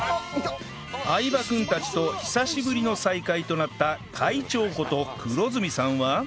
相葉君たちと久しぶりの再会となった貝長こと黒住さんは